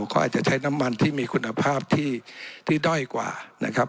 ก็อาจจะใช้น้ำมันที่มีคุณภาพที่ด้อยกว่านะครับ